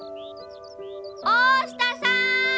大下さん！